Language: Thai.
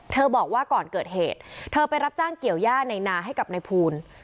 บอกว่าก่อนเกิดเหตุเธอไปรับจ้างเกี่ยวย่าในนาให้กับนายภูล